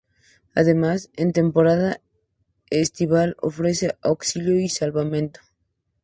Además, en temporada estival ofrece auxilio y salvamento.